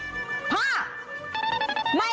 พ่อไม่ต้องหนูแล้ว